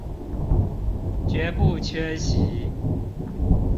絕不缺席